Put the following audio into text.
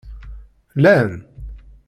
Llan?